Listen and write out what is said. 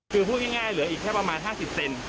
คือพูดง่ายเหลืออีกแค่ประมาณ๕๐เซน